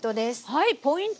はいポイント